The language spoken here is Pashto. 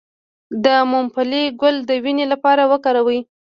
د ممپلی ګل د وینې لپاره وکاروئ